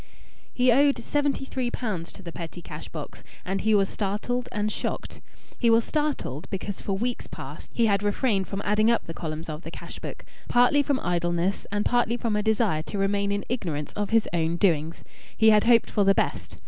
He owed seventy three pounds to the petty cash box, and he was startled and shocked. He was startled because for weeks past he had refrained from adding up the columns of the cash book partly from idleness and partly from a desire to remain in ignorance of his own doings. He had hoped for the best.